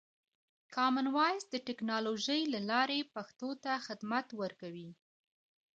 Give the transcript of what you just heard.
کامن وایس د ټکنالوژۍ له لارې پښتو ته خدمت ورکوي.